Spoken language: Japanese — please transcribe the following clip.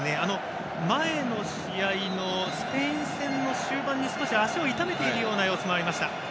前の試合のスペイン戦の終盤に少し足を痛めているような様子もありました。